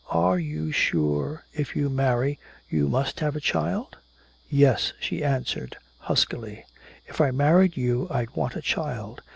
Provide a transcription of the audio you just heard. "Are you sure if you marry you must have a child?" "Yes," she answered huskily, "if I married you I'd want a child.